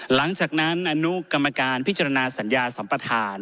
หลังจากนั้นอนุกรรมการพิจารณาสัญญาสัมปทาน